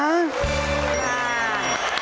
โห